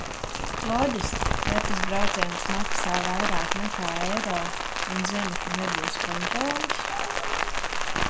Loģiski, ja tas brauciens maksā vairāk nekā eiro un zini, ka nebūs kontroles...